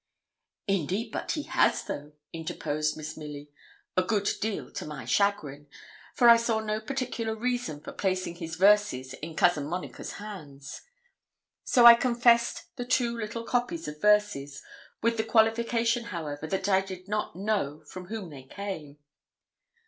'Indeed but he has though,' interposed Miss Milly; a good deal to my chagrin, for I saw no particular reason for placing his verses in Cousin Monica's hands. So I confessed the two little copies of verses, with the qualification, however, that I did not know from whom they came.